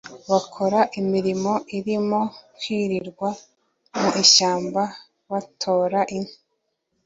bakora imirimo irimo kwirirwa mu ishyamba batora inkwi